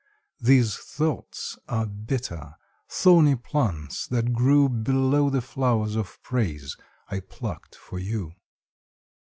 These thoughts are bitter—thorny plants, that grew Below the flowers of praise I plucked for you.